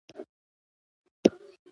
د چا پام نه وراوښت